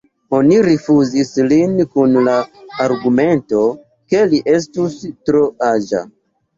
Oni rifuzis lin kun la argumento, ke li estus tro aĝa.